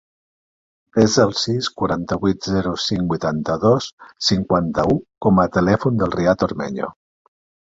Desa el sis, quaranta-vuit, zero, cinc, vuitanta-dos, cinquanta-u com a telèfon del Riad Ormeño.